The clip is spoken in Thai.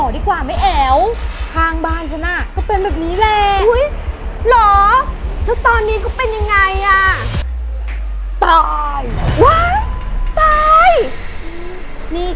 นี่แกยังไม่ได้ไปหาหมอหรอ